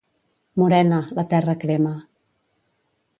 Morena, la terra crema.